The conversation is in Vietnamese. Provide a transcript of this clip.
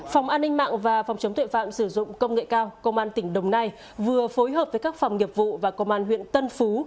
phòng an ninh mạng và phòng chống tuệ phạm sử dụng công nghệ cao công an tỉnh đồng nai vừa phối hợp với các phòng nghiệp vụ và công an huyện tân phú